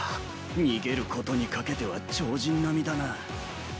逃げることにかけては超人並みだな。